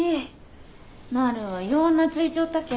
なるはよう懐いちょったけんね。